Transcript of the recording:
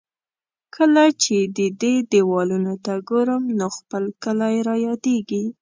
کله چې د دې دېوالونو ته ګورم، نو خپل کلی را یادېږي.